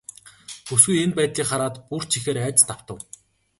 Бүсгүй энэ байдлыг хараад бүр ч ихээр айдаст автав.